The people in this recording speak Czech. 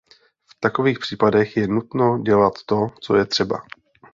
V takových případech je nutno dělat to, co je třeba.